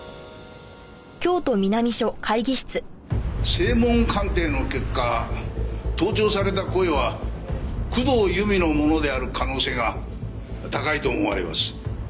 声紋鑑定の結果盗聴された声は工藤由美のものである可能性が高いと思われます。